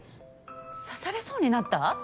刺されそうになった？